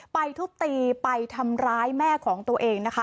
ทุบตีไปทำร้ายแม่ของตัวเองนะคะ